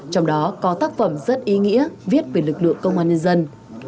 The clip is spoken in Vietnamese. trong đó có tác phẩm rất ý nghĩa viết về lực lượng công an nhân dân